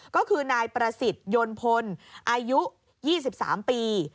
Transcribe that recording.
ก็คือนายประสิทธิ์ยนต์พลอายุ๒๓ปี